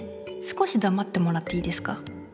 少しだまってもらっていいですか？